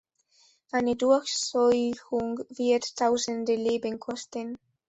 Eine Durchseuchung wird tausende Leben kosten.